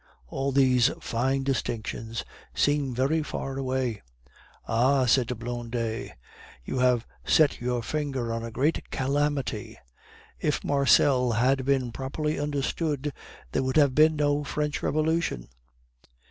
All these fine distinctions seem very far away." "Ah!" said Blondet, "you have set your finger on a great calamity. If Marcel had been properly understood, there would have been no French Revolution."